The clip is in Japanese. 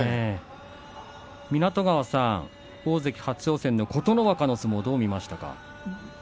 湊川さん、大関初挑戦琴ノ若の相撲どう見ました。